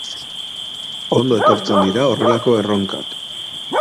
Ondo etortzen dira horrelako erronkak.